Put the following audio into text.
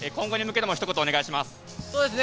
今後に向けても、ひと言お願いします。